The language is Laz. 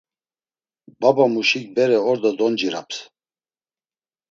Babamuşik bere ordo donciraps.